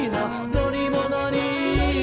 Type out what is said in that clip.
「乗り物に」